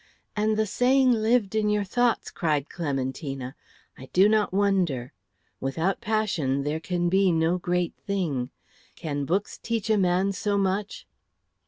'" "And the saying lived in your thoughts," cried Clementina. "I do not wonder. 'Without passion there can be no great thing!' Can books teach a man so much?"